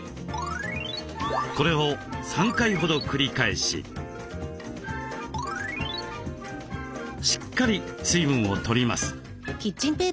これを３回ほど繰り返ししっかり水分を取ります。